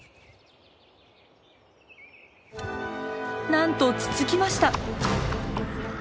なんとつつきました！